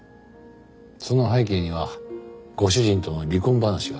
その背景にはご主人との離婚話があった。